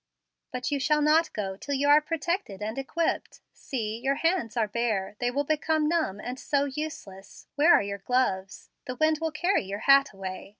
But you shall not go till you are protected and equipped. See, your hands are bare; they will become numb, and so useless. Where are your gloves? The wind will carry your hat away.